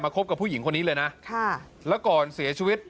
คบกับผู้หญิงคนนี้เลยนะค่ะแล้วก่อนเสียชีวิต